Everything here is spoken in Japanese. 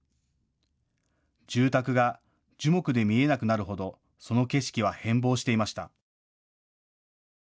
住宅が樹木で見えなくなるほどその景色は変貌していました。